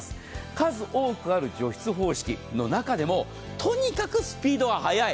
数多くある除湿方式の中でもとにかくスピードが早い。